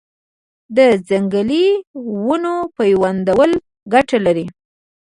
د ځنګلي ونو پیوندول ګټه لري؟